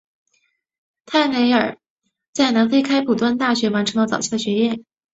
泰累尔在南非开普敦大学完成了早期的学业。